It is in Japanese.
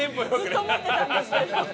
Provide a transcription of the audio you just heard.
ずっと思ってたんですけれど。